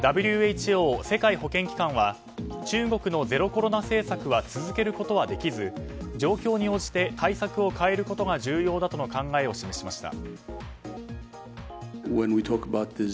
ＷＨＯ・世界保健機関は中国のゼロコロナ政策は続けることはできず状況に応じて対策を変えることが重要だとの考えを示しました。